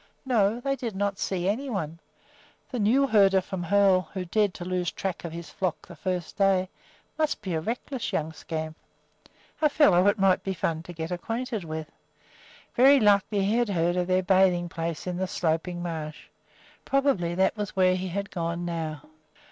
No, they did not see any one. The new herder from Hoel, who dared to lose track of his flock the first day, must be a reckless young scamp a fellow it might be fun to get acquainted with. Very likely he had heard of their bathing place in the Sloping Marsh. Probably that was where he had gone now.